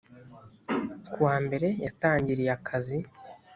ku wa mbere yatangiriye akazi